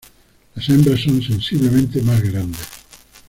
Las hembras son sensiblemente más grandes.